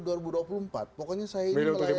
milih untuk dimana nih han